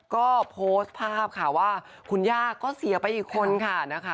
ก็โพสต์ภาพค่ะว่าคุณย่าก็เสียไปอีกคนค่ะนะคะ